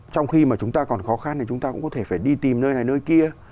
trong khi mà chúng ta còn khó khăn thì chúng ta cũng có thể phải đi tìm nơi này nơi kia